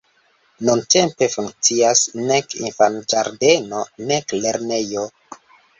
Nuntempe funkcias nek infanĝardeno, nek lernejo.